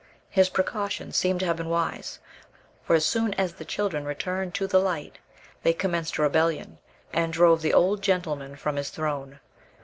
His precautions seem to have been wise; for as soon as the children returned to the light they commenced a rebellion, and drove the old gentleman from his throne.